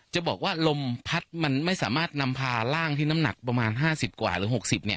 จะบอกว่าลมพัดมันไม่สามารถนำพาร่างที่น้ำหนักประมาณ๕๐กว่าหรือ๖๐